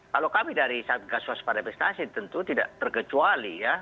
kalau kami dari satgas waspada investasi tentu tidak terkecuali ya